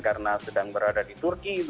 karena sedang berada di turki